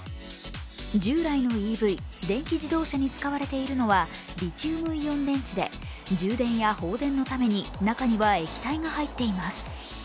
従来のＥＶ＝電気自動車に使われているのは、リチウムイオン電池で、充電や放電のために中には液体が入っています。